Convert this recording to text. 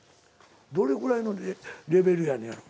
どれくらいのレベルやねんやろ。